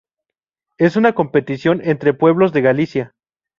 Es una competición entre pueblos de Galicia.